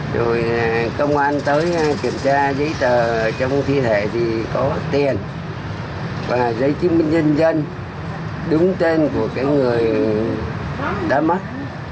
rồi công an tới kiểm tra giấy tờ trong chi thể thì có tiền và giấy chứng minh dân dân đúng tên của cái người đã mất